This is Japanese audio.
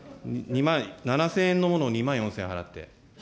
７０００円のものを２万４０００円払って。